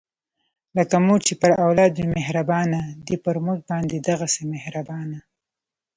لکه مور چې پر اولاد وي مهربانه، دی پر مونږ باندې دغهسې مهربانه